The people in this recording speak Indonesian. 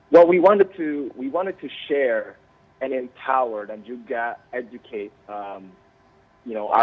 kami ingin berbagi dan empower dan juga mengajar